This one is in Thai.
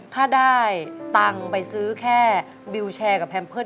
ถ้าได้ตังค์ไปซื้อแค่วิวแชร์กับแพมเพิร์